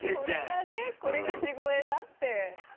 これが地声だって。